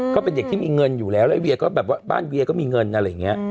ก็เป็นเด็กที่มีเงินอยู่แล้วแล้วเวียก็แบบว่าบ้านเวียก็มีเงินอะไรอย่างนี้